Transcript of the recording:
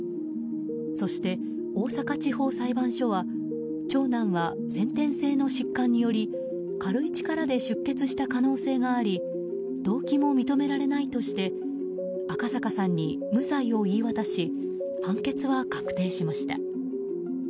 そして、大阪地方裁判所は長男は先天性の疾患により軽い力で出血した可能性があり動機も認められないとして赤阪さんに無罪を言い渡し判決は確定しました。